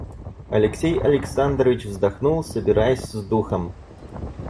Алексей Александрович вздохнул, собираясь с духом.